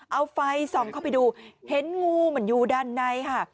เอาไฟส่องเข้าไปดูเห็นงูมันอยู่ด้านในค่ะ